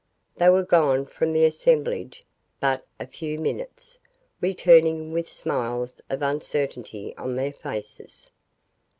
They were gone from the assemblage but a few minutes, returning with smiles of uncertainty on their faces.